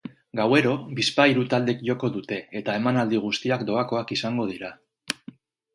Gauero, bizpahiru taldek joko dute, eta emanaldi guztiak doakoak izango dira.